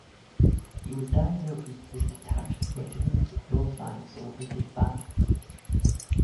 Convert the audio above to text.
He was diagnosed with a detached latissimus dorsi muscle in his back.